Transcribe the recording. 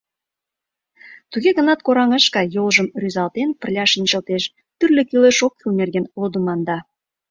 Туге гынат кораҥ ыш кай, йолжым рӱзалтен, пырля шинчылтеш, тӱрлӧ кӱлеш-оккӱл нерген лодыманда.